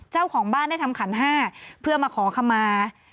เจ้าของบ้านได้ทำขันห้าเพื่อมาขอขมา